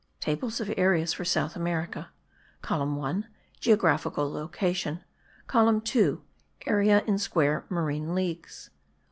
TABLE OF AREAS FOR SOUTH AMERICA. COLUMN 1 : GEOGRAPHICAL LOCATION. COLUMN 2 : AREA IN SQUARE MARINE LEAGUES.